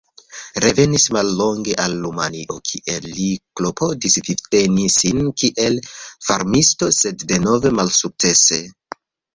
Revenis mallonge al Rumanio, kie li klopodis vivteni sin kiel farmisto, sed denove malsukcese.